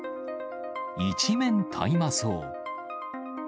一面、大麻草。